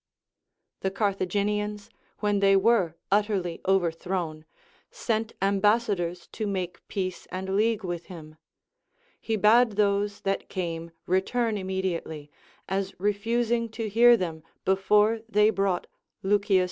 The Carthaginians, Avhen they were utterly overthrown, sent ambassadors to make peace and league with him ; he bade those that came return im mediately, as refusing to hear them before they brought 230 THE APOPHTHEGM'S OF KINGS L.